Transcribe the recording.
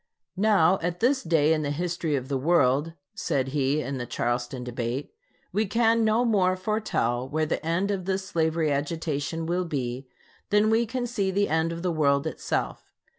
Now, at this day in the history of the world [said he, in the Charleston debate], we can no more foretell where the end of this slavery agitation will be than we can see the end of the world itself.